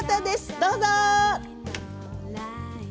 どうぞ。